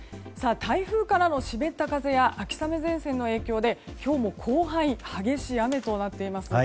台風からの湿った風や秋雨前線の影響で今日も広範囲激しい雨となっています。